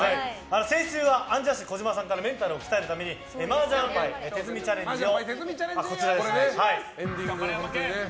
先週はアンジャッシュ児嶋さんからメンタルを鍛えるために麻雀牌手積みチャレンジを。